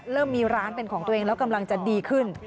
เริ่มมีร้านเป็นของตัวเองแล้วกำลังจะดีขึ้น